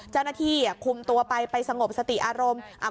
เจ้าหน้าที่คุมตัวไปไปสงบสติอารมณ์